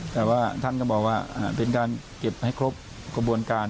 แต่ว่าท่านก็บอกว่าเป็นการเก็บให้ครบกระบวนการ